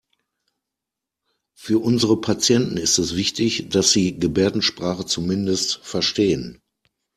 Für unsere Patienten ist es wichtig, dass Sie Gebärdensprache zumindest verstehen.